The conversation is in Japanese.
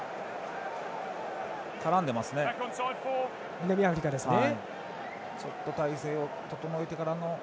南アフリカですね。